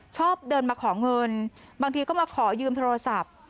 ชอบเดินมาขอเงินบางทีก็มาขอยืมโทรศัพท์